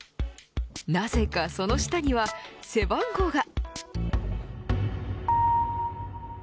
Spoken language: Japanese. なぜかその下には背番号が。